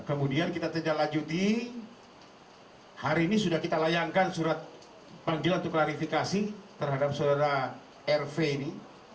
kemudian kita terjala juti hari ini sudah kita layankan surat panggilan untuk klarifikasi terhadap surat rv ini